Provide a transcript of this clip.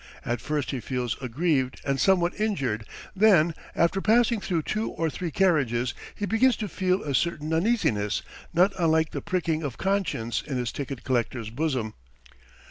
At first he feels aggrieved and somewhat injured, then, after passing through two or three carriages, he begins to feel a certain uneasiness not unlike the pricking of conscience in his ticket collector's bosom.